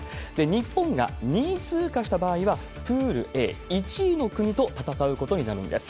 日本が２位通過した場合は、プールＡ１位の国と戦うことになるんです。